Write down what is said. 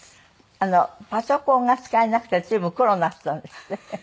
パソコンが使えなくて随分苦労なすったんですって？